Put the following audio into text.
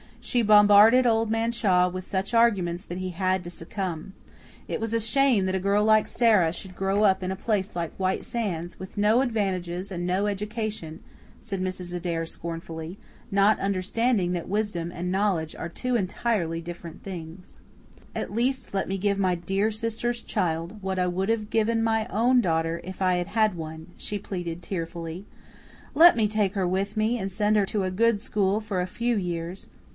She bombarded Old Man Shaw with such arguments that he had to succumb. It was a shame that a girl like Sara should grow up in a place like White Sands, "with no advantages and no education," said Mrs. Adair scornfully, not understanding that wisdom and knowledge are two entirely different things. "At least let me give my dear sister's child what I would have given my own daughter if I had had one," she pleaded tearfully. "Let me take her with me and send her to a good school for a few years.